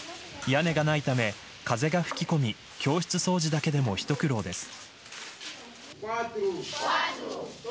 屋根がないため風が吹き込み教室掃除だけでも一苦労です。